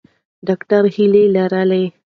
ډاکټره هیله لري.